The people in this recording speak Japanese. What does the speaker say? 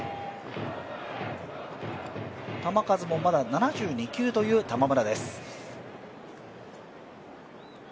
球数もまだ７２球という玉村です。